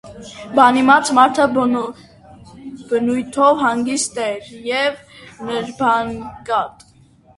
Բանիմաց մարդը բնույթով հանգիստ էր և նրբանկատ։